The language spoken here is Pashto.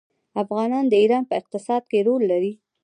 افغانان د ایران په اقتصاد کې رول لري.